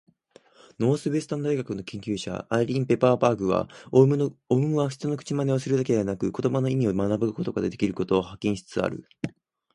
ノースウエスタン大学の研究者、アイリーン・ペパーバーグは、オウムは人の口まねをするだけでなく言葉の意味を学ぶことができることを発見しつつある。